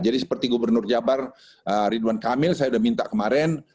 jadi seperti gubernur jabar ridwan kamil saya udah minta kemarin